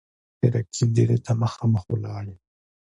د رقیب دېرې ته مـــخامخ ولاړ یـــــم